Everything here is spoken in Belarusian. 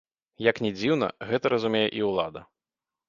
Як ні дзіўна, гэта разумее і ўлада.